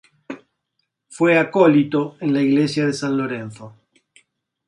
Fue acólito en la iglesia de San Lorenzo.